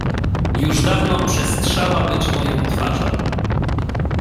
Już dawno przestrzała być moją twarzą.